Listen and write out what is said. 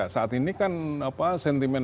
saat ini kan sentimen